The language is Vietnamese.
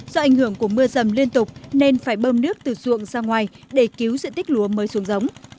do ảnh hưởng của mưa rầm liên tục nên phải bơm nước từ ruộng ra ngoài để cứu diện tích lúa mới xuống giống